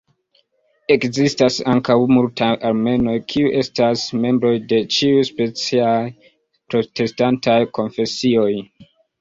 Ekzistas ankaŭ multaj armenoj kiuj estas membroj de ĉiuspecaj protestantaj konfesioj.